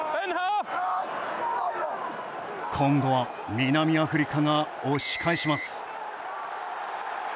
今度は南アフリカが押し返します。